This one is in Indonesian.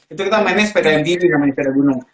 itu kita mainnya sepeda mtb dan main sepeda gunung